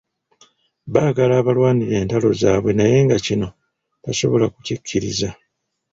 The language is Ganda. Baagala abalwanire entalo zaabwe naye nga kino tasobola kukikkiriza.